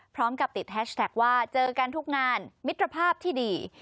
พร้อมกับติดแฮชแท็กว่าเจอกันทุกงานมิตรภาพที่ดี